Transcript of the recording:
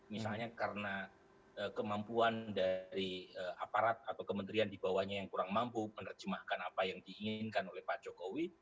misalnya karena kemampuan dari aparat atau kementerian di bawahnya yang kurang mampu menerjemahkan apa yang diinginkan oleh pak jokowi